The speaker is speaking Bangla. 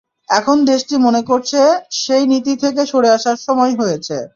এখন দেশটি মনে করছে সেই নীতি থেকে সরে আসার সময় হয়েছে।